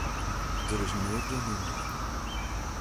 Der is neat gjin wyn mear.